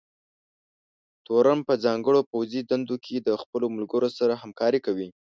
تورن په ځانګړو پوځي دندو کې د خپلو ملګرو سره همکارۍ کوي.